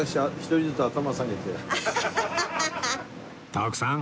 徳さん